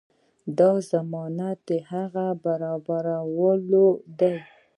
دا ضمانت د هغه برابرولو دی.